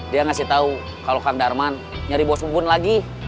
dia ngasih tahu kalau kang darman nyari bos bubun lagi